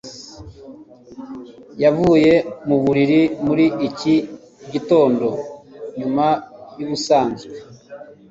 yavuye mu buriri muri iki gitondo nyuma yubusanzwe.